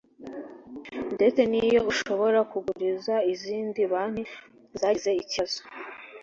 ndetse niyo ishobora kuguriza izindi banki zagize ikibazo